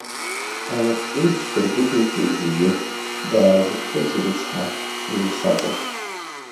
Алапҟьеиԥш дыргәыдылҵоит зегьы, даазықәшәазеи рыцҳа, уи лхаҵа.